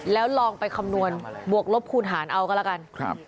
แล้วลองไปคำนวณบวกลบคูณหารเอาก็แล้วกัน